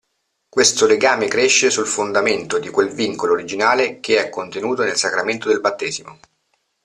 Questo legame cresce sul fondamento di quel vincolo originale che è contenuto nel sacramento del battesimo.